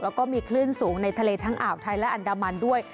แล้วก็มีคลื่นสูงในทะเลทั้งอ่าวไทยและอันดามันด้วย